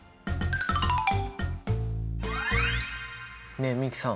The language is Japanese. ねえ美樹さん